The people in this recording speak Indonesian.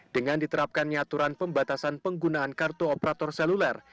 dengan diterapkan nyaturan pembatasan penggunaan kartu operator seluler